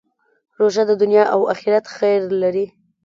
روژه د دنیا او آخرت خیر لري.